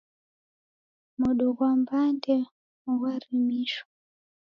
Modo ghwa mbande ghwarimishwa.